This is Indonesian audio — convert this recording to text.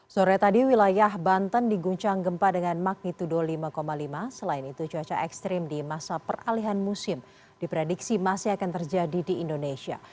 sore tadi wilayah banten diguncang gempa dengan magnitudo lima lima selain itu cuaca ekstrim di masa peralihan musim diprediksi masih akan terjadi di indonesia